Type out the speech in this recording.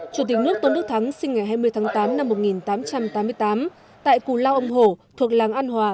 chủ tịch nước tôn đức thắng sinh ngày hai mươi tháng tám năm một nghìn tám trăm tám mươi tám tại cù lao âm hổ thuộc làng an hòa